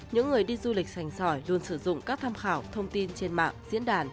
những người đi du lịch sành sỏi luôn sử dụng các tham khảo thông tin trên mạng diễn đàn